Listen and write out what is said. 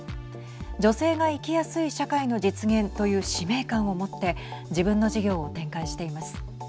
女性が生きやすい社会の実現という使命感をもって自分の事業を展開しています。